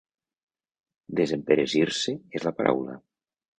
Desemperesir-se és la paraula.